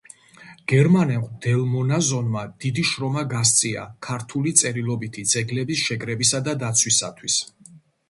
გერმანე მღვდელმონაზონმა დიდი შრომა გასწია ქართული წერილობითი ძეგლების შეკრებისა და დაცვისათვის.